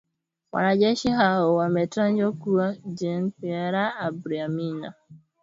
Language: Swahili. Wanajeshi hao wametajwa kuwa Jean Pierre Habyarimana